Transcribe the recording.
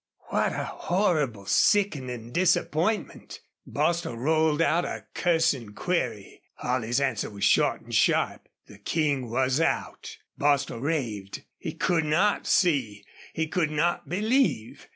What a horrible, sickening disappointment. Bostil rolled out a cursing query. Holley's answer was short and sharp. The King was out! Bostil raved. He could not see. He could not believe.